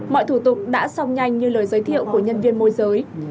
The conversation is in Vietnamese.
mọi thủ tục đã xong nhanh như lời giới thiệu của nhân viên môi giới